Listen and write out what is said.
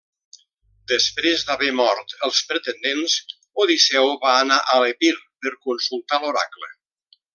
Després d'haver mort els pretendents, Odisseu va anar a l'Epir per consultar l'oracle.